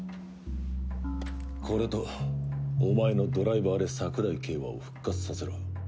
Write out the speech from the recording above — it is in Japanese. これとお前のドライバーで桜井景和を復活させろ。